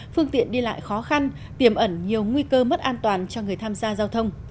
phương tiện đi lại khó khăn tiềm ẩn nhiều nguy cơ mất an toàn cho người tham gia giao thông